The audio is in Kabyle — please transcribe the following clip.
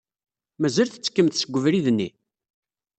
Mazal tettekkemt seg ubrid-nni?